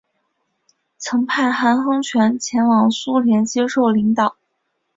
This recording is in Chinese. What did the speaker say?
曾派韩亨权前往苏联接受领导。